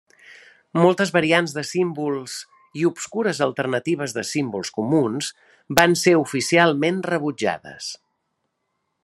Moltes variants de símbols i obscures alternatives de símbols comuns van ser oficialment rebutjades.